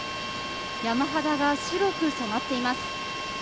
山肌が白く染まっています。